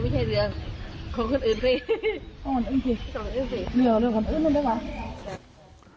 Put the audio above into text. อ้อนอึ้งที่เรือเรือของอึ้งมันได้ป่ะ